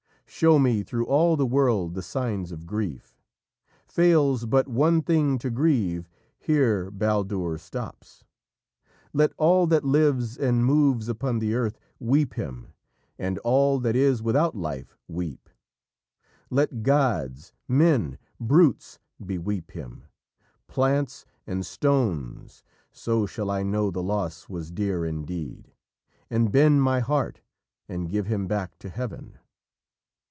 Show me through all the world the signs of grief! Fails but one thing to grieve, here Baldur stops! Let all that lives and moves upon the earth Weep him, and all that is without life weep; Let Gods, men, brutes, beweep him; plants and stones, So shall I know the loss was dear indeed, And bend my heart, and give him back to Heaven."